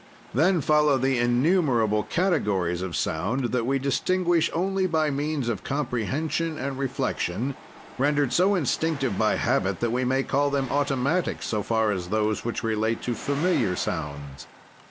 "Then follow the innumerable categories of sound that we distinguish only by means of comprehension and reflection, rendered so instinctive by habit that we may call them automatic, so far as those which relate to familiar sounds.